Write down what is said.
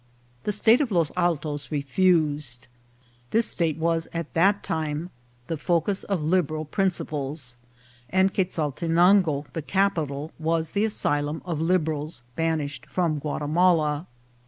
The State of Los Altos refused. This state was at that time the focus of Liberal principles, and Quezaltenango, the capital, was the asylum of Liberals banished from Guatimala.